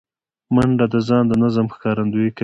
منډه د ځان د نظم ښکارندویي کوي